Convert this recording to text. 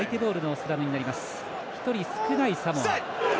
１人少ないサモア。